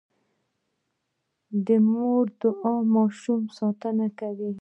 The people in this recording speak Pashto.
د مور دعا د ماشوم ساتنه کوي.